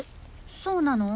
そうなの？